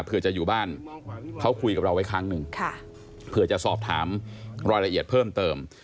เพื่อจะอยู่บ้านเขาคุยกับเราไว้ครั้งหนึ่งเผื่อจะสอบถามรายละเอียดเพิ่มเติม